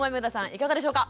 いかがでしょうか？